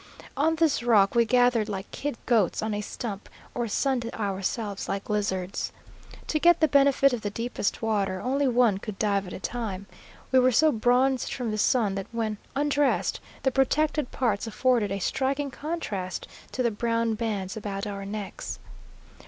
On this rock we gathered like kid goats on a stump, or sunned ourselves like lizards. To get the benefit of the deepest water, only one could dive at a time. We were so bronzed from the sun that when undressed the protected parts afforded a striking contrast to the brown bands about our necks.